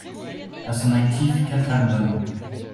A son actif quatre albums.